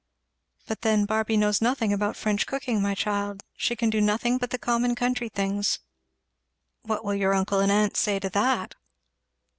"But then Barby knows nothing about French cooking, my child; she can do nothing but the common country things. What will your uncle and aunt say to that?"